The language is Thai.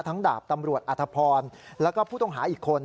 ดาบตำรวจอธพรแล้วก็ผู้ต้องหาอีกคน